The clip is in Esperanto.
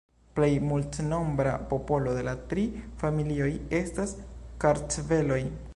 Plej multnombra popolo de la tri familioj estas kartveloj.